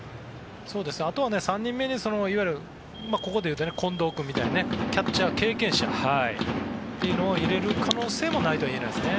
あとは３人目にここで言うと近藤君みたいなキャッチャー経験者というのを入れる可能性というのもないとはいえないですね。